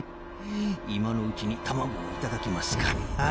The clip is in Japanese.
今のうちに卵を頂きますか。